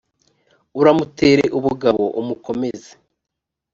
uramutere ubugabo umukomeze